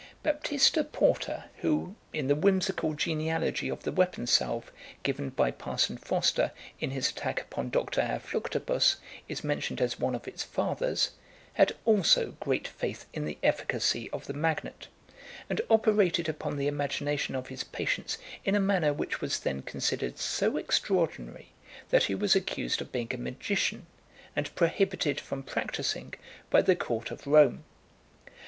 Baptista Porta, who, in the whimsical genealogy of the weapon salve, given by Parson Foster, in his attack upon Dr. à Fluctibus, is mentioned as one of its fathers, had also great faith in the efficacy of the magnet, and operated upon the imagination of his patients in a manner which was then considered so extraordinary that he was accused of being a magician, and prohibited from practising by the court of Rome.